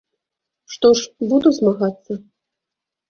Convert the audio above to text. Што ж, буду змагацца.